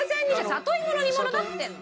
里芋の煮物だっつってんの。